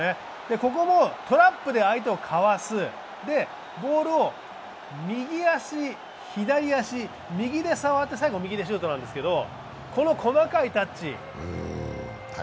ここもトラップで相手をかわすボールを右足、左足、右で触って最後、右でシュートなんですけどこの細かいタッチ。